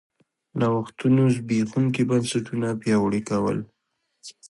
نوښتونو زبېښونکي بنسټونه پیاوړي کول